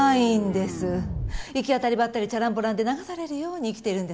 行き当たりばったりでチャランポランで流されるように生きてるんです。